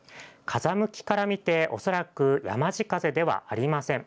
風向きから見て、恐らく、やまじ風ではありません。